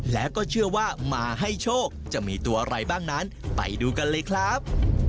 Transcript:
แล้วก็เชื่อว่ามาให้โชคจะมีตัวอะไรบ้างนั้นไปดูกันเลยครับ